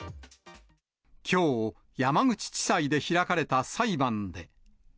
きょう、山口地裁で開かれた裁判で。